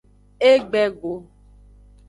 Egbe go.